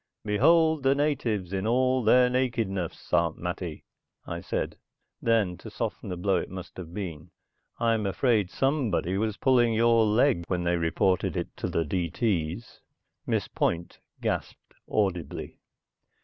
"Behold the natives in all their nakedness, Aunt Mattie," I said. Then, to soften the blow it must have been, "I'm afraid somebody was pulling your leg when they reported it to the D.T.'s." Miss Point gasped audibly.